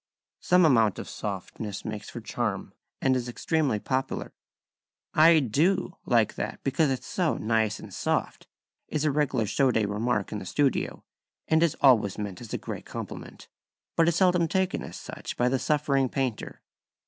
Some amount of softness makes for charm, and is extremely popular: "#I do# like that because it's so nice and soft" is a regular show day remark in the studio, and is always meant as a great compliment, but is seldom taken as such by the suffering painter.